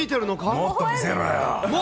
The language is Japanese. もっと見せろよ。